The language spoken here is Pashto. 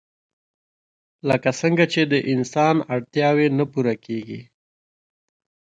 لکه څنګه چې د انسان اړتياوې نه پوره کيږي